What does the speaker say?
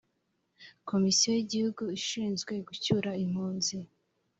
komisiyo y’igihugu ishinzwe gucyura impunzi